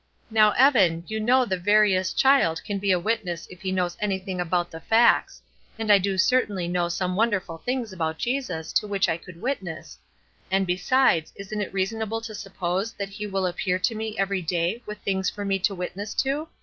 Now, Evan, you know the veriest child can be a witness if he knows anything about the facts; and I do certainly know some wonderful things about Jesus to which I could witness; and besides, isn't it reasonable to suppose that he will appear to me every day with things for me to witness to?